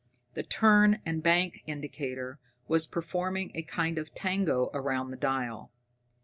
The turn and bank indicator was performing a kind of tango round the dial.